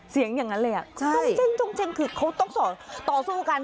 เสียงอย่างนั้นเลยเขาต้องส่วนต่อสู้กัน